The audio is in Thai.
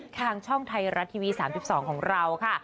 ทางช่องไทยรัฐทีวี๓๒ของเราค่ะ